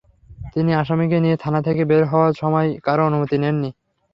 তিনি আসামিকে নিয়ে থানা থেকে বের হওয়ার সময়ও কারও অনুমতি নেননি।